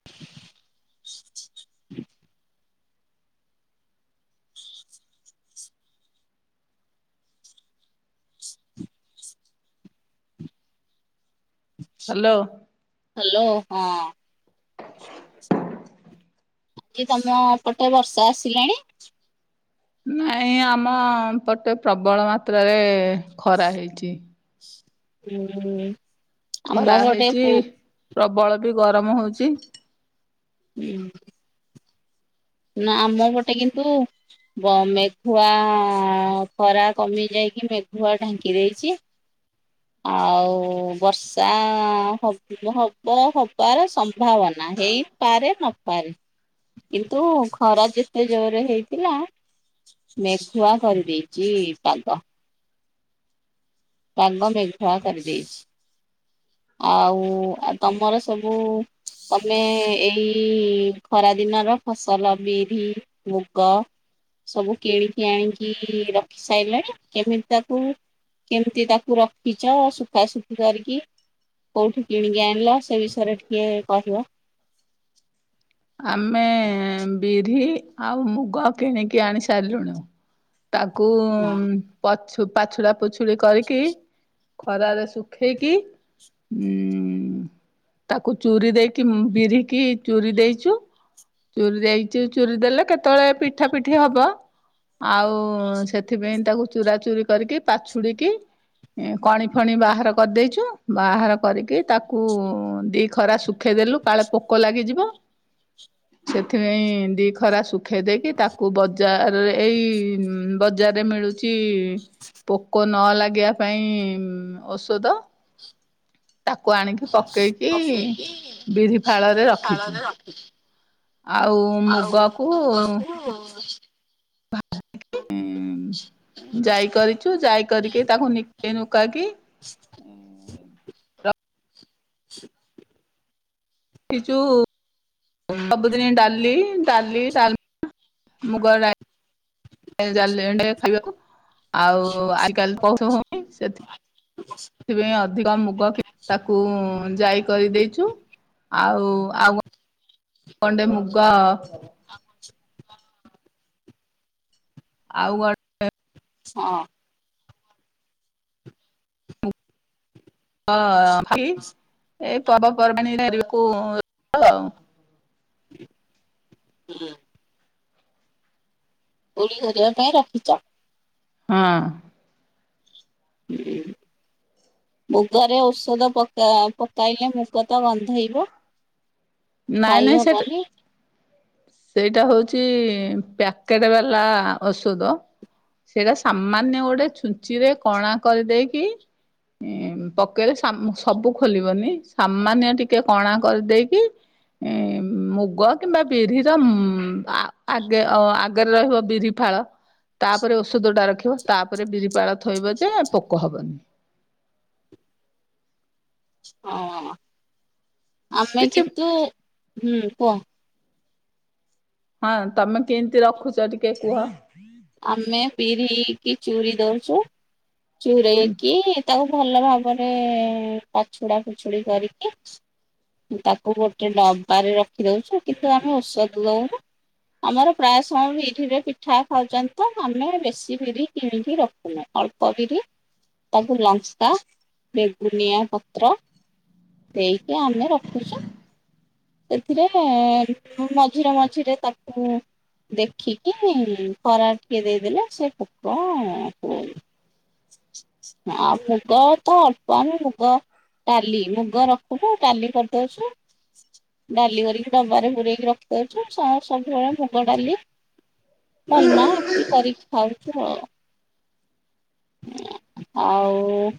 [unintelligible] Hello. Hello. ହଁ। କି ତମ ପଟେ ବର୍ଷା ଆସିଲାଣି? ନାଇଁ ଆମ- ପଟେ ପ୍ରବଳ ମାତ୍ରାରେ, ଖରା ହେଇଛି। ହୁଁ ହୁଁ, ଆମ ଖରା ପଟେ ହେଇଚି ପୁ ପ୍ରବଳ ବି ଗରମ ହୋଉଛି। ହୁଁ। ନା ଆମ ପଟେ କିନ୍ତୁ ବ ମେଘୁଆ ଖରା କମି ଯାଇକି, ମେଘୁଆ ଢାଙ୍କି ଦେଇଛି। [inaudible] ଆଉ, ବର୍ଷା ହବ ହବାର ସମ୍ଭାବନା ହେଇ ପାରେ ନପାରେ, କିନ୍ତୁ ଖରା ଯେତେ ଜୋରେ ହେଇଥିଲା ମେଘୁଆ କରିଦେଇଛି ପାଗ। ପାଗ ମେଘୁଆ କରି ଦେଇଛି। ଆଉ, ଆଉ ତମର ସବୁ ତମେ ଏଇ ଖରାଦିନର ଫସଲ, ବିହିରି ମୁଗ ସବୁ କିଣିକି ଆଣିକି ରଖି ସାଇଲେଣି କେମିତି ତାକୁ କେମିତି ତାକୁ ରଖିଛ, ଶୁଖା ଶୁଖି କରିକି? କୋଉଠୁ କିଣିକି ଆଣିଲ, ସେ ବିଷୟରେ ଟିକେ କହିବ? ଆମେ ବିହିରି ଆଉ ମୁଗ କିଣିକି ଆଣି ସାରିଲୁଣୁ। ତାକୁ ହଁ ପଛ-ପାଛୁଡା, ପୂଛୁଡି କରିକି ଖରାରେ ଶୁଖେଇକି ଉଁ। ତାକୁ ଚୁରି ଦେଇକି, ବିରିିକି ଚୁରି ଦେଇ ଚୁ, ଚୁରି ଯାଇଛି, ଚୁରି ଦେଲେ କେତେବେଳେ ପିଠା ପୂଠି ହବ। ଆଉ ସେଥିପାଇଁ ତାକୁ ଚୁରା ଚୁରି କରିକି ପାଛୁଡ଼ିକି କଣିଫଣି ବାହାର କରିଦେଇଛୁ। ବାହାର କରିକି ତାକୁ ଦି ଖରା ଶୁଖେଇ ଦେଲୁ। କାଳେ ପୋକ ଲାଗିଯିବ। ସେଥିପାଇଁ ଦି ଖରା ଶୁଖେଇ ଦେଇକି ତାକୁ ବଜାରରେ ଏଇ ବଜାରରେ ମିଳୁ ଚି ପୋକ ନ ଲାଗିବା ପାଇଁ ଔଷଧ। ତାକୁ ଆଣିକି ପକେଇକି ବିରି ଫାଳରେ ରଖିଛୁ। ଆଉ ମୁଗକୁ ହଁ ମ୍ ହୁଁ ଜାଇ କରିଚୁ ଜାଇ କରିକି ତାକୁ ନିକେ ନୁକାକି [unintelligible] ଇଚୁ ସବୁଦିନେ ଡାଲି ଡାଲି ଡାଲମା ମୁଗ ଡାଲି [unintelligible] ଖାଇବାକୁ ଆଉ ଆଜିକାଲି [inaudible] ସେ ସେଥିପାଇଁ ଅଧିକ ମୁଗ କିଣିବାକୁ ଜାଇ କରିଦେଇଛୁ ଆଉ ଆଉ ଗଣ୍ଡେ ମୁଗ [inaudible] ଆଉ ଗ ହଁ। ହଁ ଭାଇ ଏଇ ପର୍ବପର୍ବାଣୀ ରେ ବେଳକୁ ତ। ହୁଁ। କୋଡ଼ିଏ ହଜାର ଟଙ୍କା ରଖିଚ। ହଁ। ହୁଁ। ମୁଗରେ ଔଷଧ ପକା ‌ପକାଇଲେ ମୁଗ ତ ଗନ୍ଧେଇବ। ନାଇଁ ନାଇଁ ସେଟା ଖାଇହବନି। ସେଇଟା ହଉଛି ପ୍ୟାକେଟ୍ ବାଲା ଔଷଧ। ସେଇଟା ସାମାନ୍ୟ ଗୋଟେ ଛୁଞ୍ଚି ରେ କଣା କରିଦେଇକି- ପକେଇଲେ ସବୁ ଖୋଲିବନି ସାମାନ୍ୟ ଟିକେ କଣା କରିଦେଇକି- ଏ ମୁଗ କିମ୍ବା ବିରି - ମ୍ ଆଗେ ଆଗରେ ରହିବ ବିରି ଫାଳ- ତାପରେ ଔଷଧ ଟା ରଖିବ ତାପରେ ବିରିଫାଳ ଥୋଇବ ଯେ ପୋକ ହବନି। ହଁ ଆମେ କିଛି କିତୁ ହୁଁ କୁହ- ହଁ ତମେ କେମିତି ରଖୁଛ ଟିକେ କୁହ- ଆମେ ବିରି କି ଚୁରିଦଉଚୁ ଚୁରେଇକି ତାକୁ ଭଲ ଭାବରେ ପାଛୁଡା ଫୁଛୁଡି କରିକି। ତାକୁ ଗୋଟେ ଡବାରେ ରଖି ଦଉଛୁ କିନ୍ତୁ ଆମେ ଔଷଧ ଦଉନୁ। ଆମର ପ୍ରାୟ ସମୟ ବି ବିରି ରେ ପିଠା ଖାଉଚନ୍ତି। ତ ଆମର ବେଶୀ ବିରି କିଣିକି ରଖୁନୁ ଅଳ୍ପ ବିରି ତାକୁ ଲଙ୍କା ବେଗୁନିଆ ପତ୍ର ଦେଇକି ଆମେ ରଖୁଛୁ। ସେଥିରେ ମ ମଝିରେ ମଝିରେ ତାକୁ ଦେଖିକି ଖରା ଟିକେ ଦେଇଦେଲେ ସେ ପୋକ କୁ ଆ ମୁଗ ତ ଅଳ୍ପ ହିଁ ମୁଗ ଡାଲି ମୁଗ ରଖୁଛୁ ଡାଲି କରିଦଉଚୁ। ଡାଲି କରିକି ଡବାରେ ପୁରେଇକି ରଖି ଦଉଚୁ। ସ ସବୁବେଳେ ମୁଗ ଡାଲି ଡାଲମା ଏମିତି କରିକି ଖାଉଚୁ ଆଉ। ଆଉ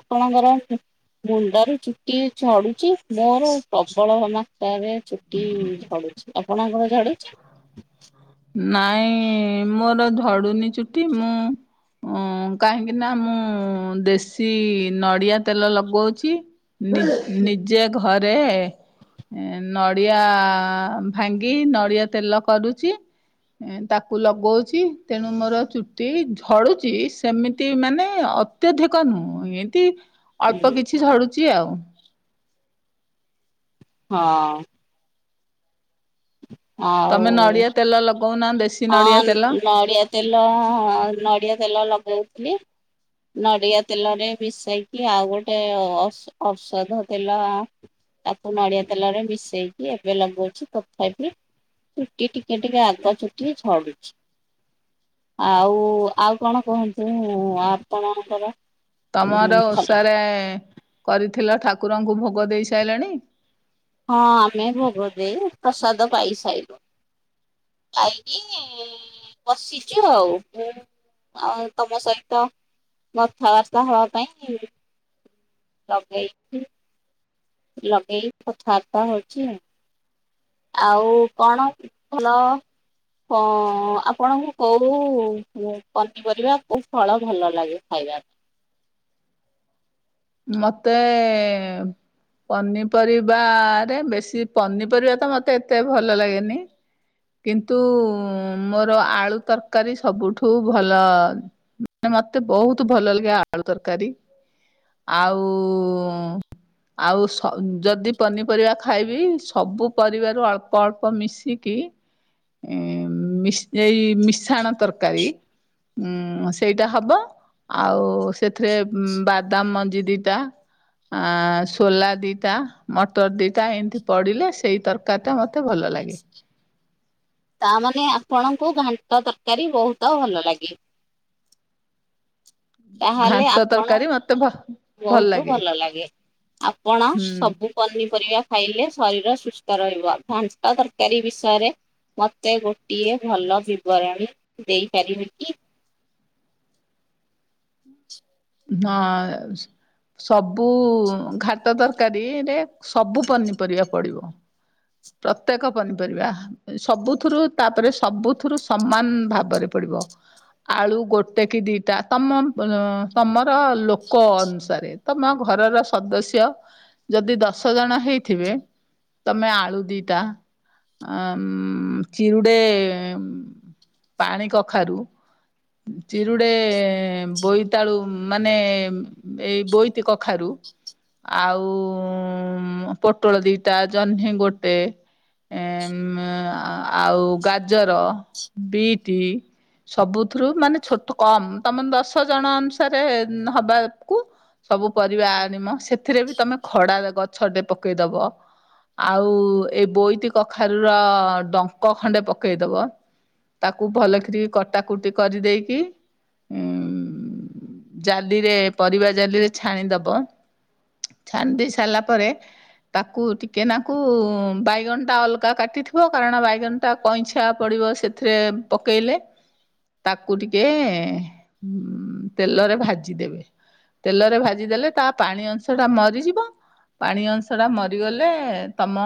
ଆପଣଙ୍କର- ମୁଣ୍ଡରୁ ଚୁଟି ଝଡୁଛି ମୋର ପ୍ରବଳ ଜମା ତାରେ ଚୁଟି ଝଡୁଛି ଆପଣଙ୍କର ଝଡୁଚି? ନାଇଁ ମୋର ଝଡୁନି ଚୁଟି ମୁଁ- ଓ କାହିଁକି ନା ମୁଁ ଦେଶୀ ନଡ଼ିଆ ତେଲ ଲଗଉଚି। ନି ନିଜେ ଘରେ ଏ ନଡ଼ିଆ ଭାଙ୍ଗି ନଡ଼ିଆ ତେଲ କରୁଚି ଏ ତାକୁ ଲଗାଉଛି ତେଣୁ ମୋର ଚୁଟି ଝଡ଼ୁଛି ସେମିତି ମାନେଅ ଅତ୍ୟଧିକ ନୁହଁ ଏମିତି ଅଳ୍ପ କିଛି ଝଡୁଚି ଆଉ। ହଁ। ଆଉ ତମେ ନଡିଆ ତେଲ ଲଗଉନା ଦେଶୀ ହଁ ନଡିଆ ତେଲ। ନଡ଼ିଆ ତେଲ ନଡ଼ିଆ ତେଲ ଲଗଉଥିଲି। ନଡିଆ ତେଲରେ ମିଶେଇକି ଆଉ ଗୋଟେ ଓଷ୍ ଔଷଧ ତେଲ ତାକୁ ନଡିଆ ତେଲ ରେ ମିଶେଇକି ଏବେ ଲଗଉଛି। ତଥାପି ଚୁଟି ଟିକେ ଟିକେ ଆଗ ଚୁଟି ଝଡୁଛି। ଆଉ ଆଉ କଣ କୁହନ୍ତୁ ଆପଣଙ୍କର। ଉଁ ତମର ଭଲ ଓଷାରେ କରିଥିଲ ଠାକୁରଙ୍କୁ ଭୋଗ ଦେଇସାଇଲଣି। ହଁ ଆମେ ଭୋଗ ଦେଇ ପ୍ରସାଦ ପାଇସାଇଲୁଣୁ। ଖାଇକି ବସିଚୁ ଆଉ। ଆଉ ତମ ସହିତ କଥାବାର୍ତ୍ତା ହବା ପାଇଁ ଲଗେଇଛିି ଲଗେଇକି କଥାବାର୍ତ୍ତା ହଉଛି ଆଉ। ଆଉ କଣ ଭଲ ହଁ ଆପଣଙ୍କୁ କୋଉ ପ ପନିପରିବା କୋଉ ଫଳ ଭଲ ଲାଗେ ଖାଇବ। ମତେ ପନିପରିବାରେ ବେଶୀ ପନିପରିବା ତ ମତେ ଏତେ ଭଲ ଲାଗେନି। କିନ୍ତୁ ମୋର ଆଳୁ ତରକାରୀ ସବୁଠୁ ଭଲ ନାଇଁ ମତେ ବହୁତ ଭଲ ଲାଗେ ଆଳୁ ତରକାରୀ। ଆଉ ଆଉ ସ ଯଦି ପନିପରିବା ଖାଇବି ସବୁ ପରିବାରୁ ଅଳ୍ପ ଅଳ୍ପ ମିଶିକି ଇଁ ମିଶେଇ ମିଶାଣ ତରକାରୀ ଉଁ ସେଇଟା ହବ ଆଉ ସେଥିରେ ବାଦାମ ମଞ୍ଜି ଦିଟା। ଆ ସୋଲା ଦିଇଟା, ମଟର ଦିଇଟା, ଏମିତି ପଡ଼ିଲେ ସେଇ ତରକାରୀଟା ମୋତେ ଭଲ ଲାଗେ। ତା ମାନେ ଆପଣଙ୍କୁ ଘାଣ୍ଟ ତରକାରୀ ବହୁତ ଭଲ ଲାଗେ। ତାହେଲେ ଘାଣ୍ଟ ଆପଣ ତରକାରୀ ମତେ ଭ ବହୁତ ଭଲ ଲାଗେ ଆପଣ ହୁଁ ସବୁ ପନିପରିବା ଖାଇଲେ ଶରୀର ସୁସ୍ଥ ରହିବ, ଘାଣ୍ଟ ତରକାରୀ ବିଷୟରେ ମୋତେ ଗୋଟିଏ ଭଲ ବିବରଣୀ ଦେଇପାରିବେ କି? ହଁ ଓସ୍ ସବୁ ଘାଟ ତରକାରୀ ରେ ସବୁ ପନିପରିବା ପଡିବ। ପ୍ରତ୍ୟେକ ପନିପରିବା। ସବୁଥୁରୁ ତାପରେ ସବୁଥୁରୁ ସମାନ ଭାବରେ ପଡିବ। ଆଳୁ ଗୋଟେ କି ଦିଇଟା ତମ ତମର ଲୋକ ଅନୁସାରେ। ତମ ଘରର ସଦସ୍ୟ ଯଦି ଦଶ ଜଣ ହେଇଥିବେ ତମେ ଆଳୁ ଦିଟା ଉମ ଚିଉଡେ ପାଣି କଖାରୁ ଚିରୁଡେ ବୋଇତାଳୁ ମାନେ ଏଇ ବୋଇତି କଖାରୁ। ଆଉ ମ ପୋଟଳ ଦିଟା, ଜହ୍ନି ଗୋଟେ। ଏମ ଆଉ ଗାଜର, ବିଟ୍। ସବୁଥୁରୁ ମାନେ ଛୋଟ କମ ତମ ଦଶ ଜଣ ଅନୁସାରେ ହବାକୁ ସବୁ ପରିବା ଆଣିମ ସେଥିରେ ବି ତମେ ଖଡା ଗଛ ଟେ ପକେଇଦବ ଆଉ ଉ ଏଇ ବୋଇତି କଖାରୁ ର ଡଙ୍କ ଖଣ୍ଡେ ପକେଇଦବ। ତାକୁ ଭଲ କିରି କଟାକୁଟି କରିଦେଇକି ଉଁ ଜାଲିରେ ପରିବା ଜାଲିରେ ଛାଣିଦବ। ଛାଣି ଦେଇ ସାରିଲା ପରେ ତାକୁ ଟିକେ ନାକୁ ବାଇଗଣଟା ଅଲଗା କାଟିଥିବ କାରଣ ବାଇଗଣଟା କଇଁଛା ପଡ଼ିବ ସେଥିରେ ପକେଇଲେ। ତାକୁ ଟିକେ ତେଲରେ ଭାଜି ଦେବେ। ତେଲରେ ଭାଜିଦେଲେ ତା ପାଣି ଅଂଶ ଟା ମରିଯିବ। ପାଣି ଅଂଶ ଟା ମରିଗଲେ ତମ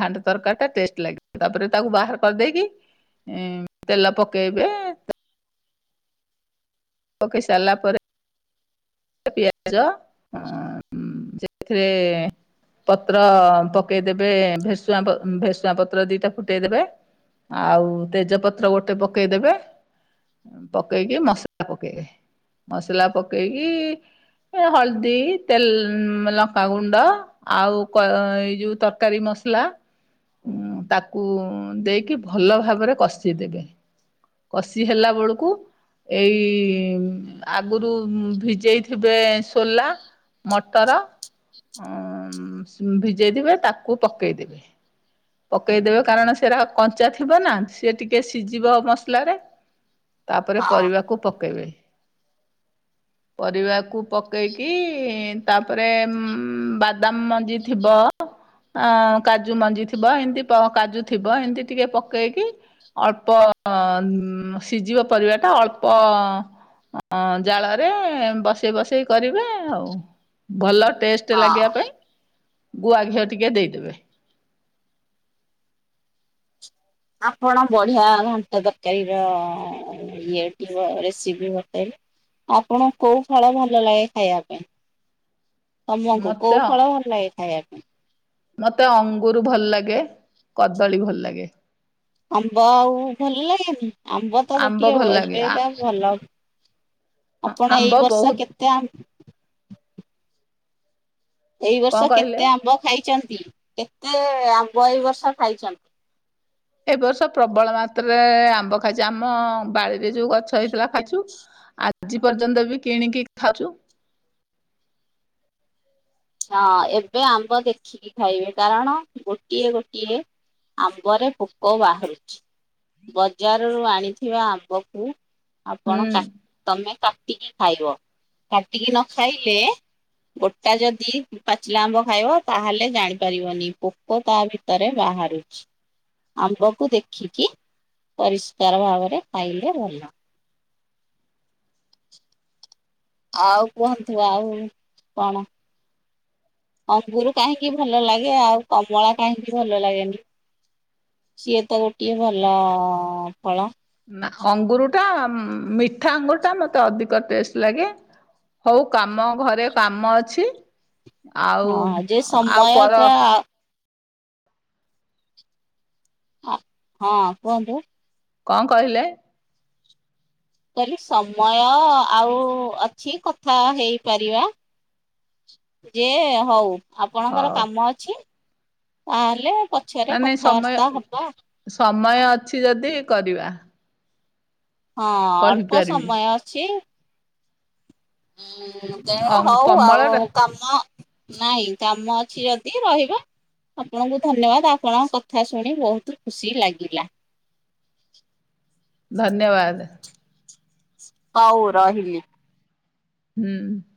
ଘାଣ୍ଟ ତରକାରୀ ଟା ଟେଷ୍ଟ ଲାଗିବ ତାପରେ ତାକୁ ବାହାର କରିଦେଇକି ଉଁ ତେଲ ପକେଇବେ ପିକେଇ ସାରିଲା ପରେ ପିଆଜ ଅ ଉମ ସେଥିରେ ପତ୍ର ପକେଇଦେବେ ଭେସୁଆ ଭେସୁଆ ପତ୍ର ଦିଟା ଫୁଟେଇଦେବେ ଆଉ ତେଜପତ୍ର ଗୋଟେ ପକେଇଦେବେ ପକେଇକି ମସଲା ପକେଇବେ। ମସଲା ପକେଇକି ହଳଦୀ ତେଲ ଲଙ୍କାଗୁଣ୍ଡ ଆଉ ଏଇ ଯୋଉ ତରକାରୀ ମସଲା ଉ ତାକୁ ଦେଇକି ଭଲ ଭାବରେ କଷିଦେବେ। କଷି ହେଲା ବେଳକୁ ଏଇ ଆଗରୁ ଭିଜେଇଥିବେ ସୋଲା ମଟର ଉମ ଭିଜେଇଦବେ ତାକୁ ପକେଇଦବେ। ପକାଇଦେବେ କାରଣ ସେଇଟ କଞ୍ଚା ଥିବ ନା ସେ ଟିକେ ସିଝିବ ମସଲାରେ। ତାପରେ ହଁ ପରିବାକୁ ପକେଇବେ। ପରିବାକୁ ପକେଇକି ତାପରେ ବାଦାମ ମଞ୍ଜି ଥିବ ଅ କାଜୁ ମଞ୍ଜି ଥିବ ଏମିତି କାଜୁ ଥିବ ଏମିତି ଟିକେ ପକେଇକି ଅଳ୍ପ ସିଝିବ ପରିବା ଟା ଅଳ୍ପ ଅଁ ଜାଳ ବସେଇ ବସେଇ କରିବେ ଆଉ ଭଲ ଟେଷ୍ଟ ଲାଗିବା ହଁ ପାଇଁ ଗୁଆ ଘିଅ ଟିକେ ଦେଇଦେବେ। ଆପଣ ବଢିଆ ଘାଣ୍ଟ ତରକାରୀର ଇଏ ଟି ରେସିପି ବତେଇଲେ। ଆପଣ କୋଉ ଫଳ ଭଲ ଲାଗେ ଖାଇବା ପାଇଁ? ତମକୁ ମତେ କୋଉ ଫଳ ଭଲ ଲାଗେ ଖାଇବାକୁ? ମତେ ଅଙ୍ଗୁର ଭଲ ଲାଗେ କଦଳୀ ଭଲ ଲାଗେ। ଆମ୍ବ ଆଉ ଭଲ ଲାଗେନି? ଆମ୍ବ ତ ସେଟି ହବ ଏବେ ଆ ଭଲବ ଆପଣ ଏଇ ଆମ୍ବ ବର୍ଷ ବହୁତ କେତେ ଆ ଏଇ କଣ ବର୍ଷ କହିଲେ? କେତେ ଆମ୍ବ ଖାଇଚନ୍ତି କେତେ ଆମ୍ବ ଏଇ ବର୍ଷ ଖାଇଚନ୍ତି? ଏ ବର୍ଷ ପ୍ରବଳ ମାତ୍ରାରେ ଆମ୍ବ ଖାଇଚି ଆମ ବାଡିରେ ଯୋଉ ଗଛ ହେଇଥିଲା ଖାଇଚୁ ଆଜି ପର୍ଯ୍ୟନ୍ତ ବି କିଣିକି ଖାଉଚୁ। ହଁ ଏବେ ଆମ୍ବ ଦେଖିକି ଖାଇବେ କାରଣ ଗୋଟିଏ ଗୋଟିଏ ଆମ୍ବରେ ପୋକ ବାହାରୁଚି। ବଜାରରୁ ଆଣିଥିବା ଆମ୍ବକୁ ହୁଁ। ଆପଣ କା ତମେ କାଟିକି ଖାଇବ। କାଟିକି ନ ଖାଇଲେ ଗୋଟା ଯ ଦି ପାଚିଲା ଆମ୍ବ ଖାଇବ ତାହେଲେ ଜାଣିପାରିବନି ପୋକ ତା ଭିତରେ ବାହାରୁଚି। ଆମ୍ବକୁ ଦେଖିକି ପରିଷ୍କାର ଭାବରେ ଖାଇଲେ ଭଲ। ଆଉ କୁହନ୍ତୁ ଆଉ କଣ? ଅଙ୍ଗୁର କାହିଁକି ଭଲ ଲାଗେ ଆଉ କମଳା କାହିଁକି ଭଲ ଲାଗେନି? ସିଏ ତ ଗୋଟିଏ ଭଲ ଫଳ। ନା ଅଙ୍ଗୁର ଟା ମିଠା ଅଙ୍ଗୁର ଟା ମତେ ଅଧିକ ଟେଷ୍ଟ ଲାଗେ। ହଉ କାମ ଘରେ କାମ ଅଛି ଆଉ ହଁ ଯେ ଆଉ ପର ସମୟଟା ହଁ କୁହନ୍ତୁ? କଣ କହିଲେ? କହିଲି ସମୟ ଆଉ ଅଛି କଥା ହେଇପାରିବା। ଯେ ହଉ। ଆପଣଙ୍କର ହଉ କାମ ଅଛି ତାହେଲେ ପଛରେ ନାଇଁ ନାଇଁ ସମୟ କଥାବାର୍ତ୍ତା ହବା ଆଉ। ସମୟ ଅଛି ଯଦି କରିବା। ହଁ ଅଳ୍ପ କହିପାରିବି ସମୟ ଅଛି। ହୁଁ ଅ ତେଣୁ ହଉ ଆଉ କମଳଟା କାମ ନାଇଁ କାମ ଅଛି ଯଦି ରହିବା। ଆପଣଙ୍କୁ ଧନ୍ୟବାଦ ଆପଣଙ୍କ କଥା ଶୁଣି ବହୁତ ଖୁସି ଲାଗିଲା। ଧନ୍ୟବାଦ। ହଉ ରହିଲି। ହୁଁ।